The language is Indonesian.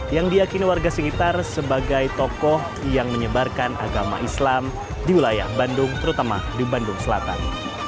yang diakini warga sekitar sebagai tokoh yang menyebarkan agama islam di wilayah bandung terutama di bandung selatan